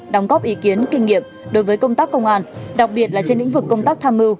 đóng góp ý kiến kinh nghiệm đối với công tác công an đặc biệt là trên lĩnh vực công tác tham mưu